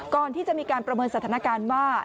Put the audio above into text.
ก่อนที่จะมีการประเมินสถานการณ์ว่า